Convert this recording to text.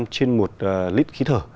trên một lít khí thở